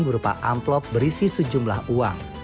berupa amplop berisi sejumlah uang